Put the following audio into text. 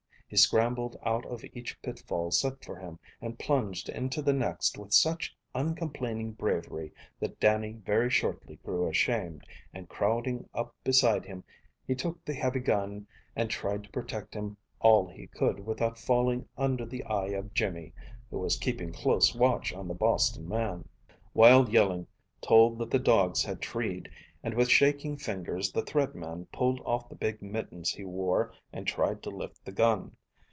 He scrambled out of each pitfall set for him, and plunged into the next with such uncomplaining bravery that Dannie very shortly grew ashamed, and crowding up beside him he took the heavy gun and tried to protect him all he could without falling under the eye of Jimmy, who was keeping close watch on the Boston man. Wild yelling told that the dogs had treed, and with shaking fingers the Thread Man pulled off the big mittens he wore and tried to lift the gun.